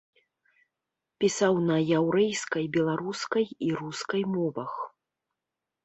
Пісаў на яўрэйскай, беларускай і рускай мовах.